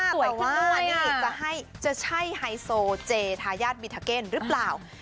แต่ว่านี่จะใช่ไฮโซเจทายาทมิทักเก้นหรือเปล่า